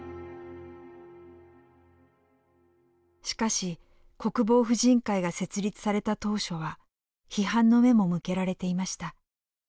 しかし国防婦人会が設立された当初は批判の目も向けられていました。